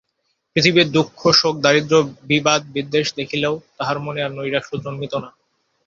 পৃথিবীর দুঃখশোকদারিদ্র্য বিবাদবিদ্বেষ দেখিলেও তাঁহার মনে আর নৈরাশ্য জন্মিত না।